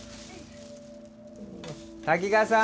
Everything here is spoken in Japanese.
滝川さん！